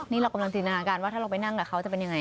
นี่เรากำลังจินตนาการว่าถ้าเราไปนั่งกับเขาจะเป็นยังไง